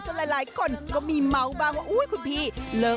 ผัวไปเถินเอาผัวไปเถินเอาผัวไปเถินเอาผัวไปเถิน